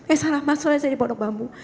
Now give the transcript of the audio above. eh salah masuknya saya di pondok bambu